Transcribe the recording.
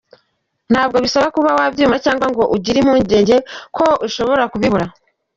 Ntabwo bisaba kuba wabyimura cyangwa ngo ugire impugenge ko ushobora kubibura.